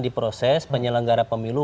diproses penyelenggara pemilu